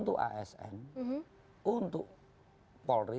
tidaking sakitnya menutup pe anonym